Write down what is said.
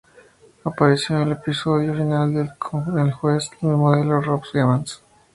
Apareció en el episodio final del con el juez y modelo Rob Evans.